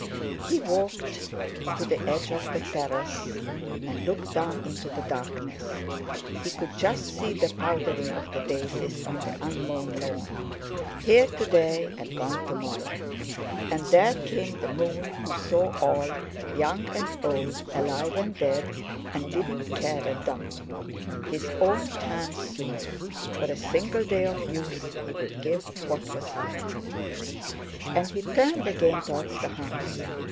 He walked to the edge of the terrace, and looked down into the darkness; he could just see the powdering of the daisies on the unmown lawn. Here to day and gone to morrow! And there came the moon, who saw all, young and old, alive and dead, and didn't care a dump! His own turn soon. For a single day of youth he would give what was left! And he turned again towards the house.